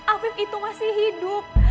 afif itu masih hidup